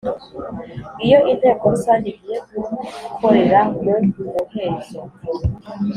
Iyo inteko rusange igiye gukorera mu muhezo